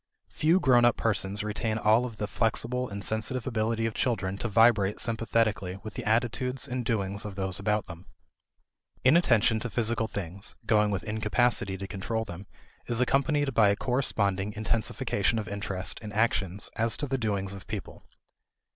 Few grown up persons retain all of the flexible and sensitive ability of children to vibrate sympathetically with the attitudes and doings of those about them. Inattention to physical things (going with incapacity to control them) is accompanied by a corresponding intensification of interest and attention as to the doings of people.